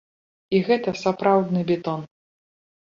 І гэта сапраўдны бетон!